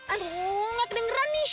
aduh gak kedengeran nih